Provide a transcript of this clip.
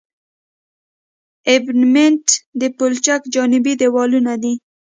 ابټمنټ د پلچک جانبي دیوالونه دي